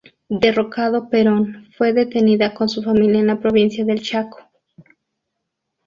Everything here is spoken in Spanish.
Derrocado Perón, fue detenida con su familia en la provincia del Chaco.